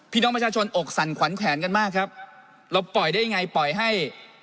พี่น้องประชาชนอกสั่นขวัญแขวนกันมากครับเราปล่อยได้ยังไงปล่อยให้